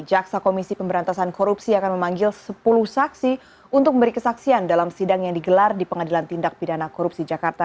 jaksa komisi pemberantasan korupsi akan memanggil sepuluh saksi untuk memberi kesaksian dalam sidang yang digelar di pengadilan tindak pidana korupsi jakarta